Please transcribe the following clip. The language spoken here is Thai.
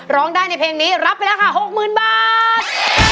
ร้องได้ในเพลงนี้รับไปแล้วค่ะ๖๐๐๐บาท